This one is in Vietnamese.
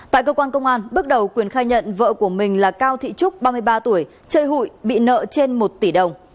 tại cơ quan công an bước đầu quyền khai nhận vợ của mình là cao thị trúc ba mươi ba tuổi chơi hụi bị nợ trên một tỷ đồng